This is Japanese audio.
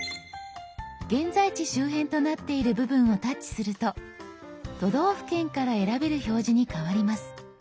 「現在地周辺」となっている部分をタッチすると都道府県から選べる表示に変わります。